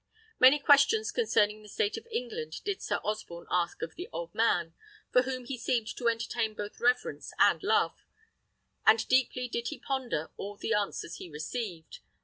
Many questions concerning the state of England did Sir Osborne ask of the old man, for whom he seemed to entertain both reverence and love, and deeply did he ponder all the answers he received.